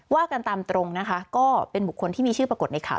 ว่ากันตามตรงนะคะก็เป็นบุคคลที่มีชื่อปรากฏในข่าว